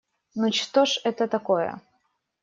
Ну, что ж это такое!